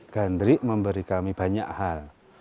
gandrik memberi kami banyak hal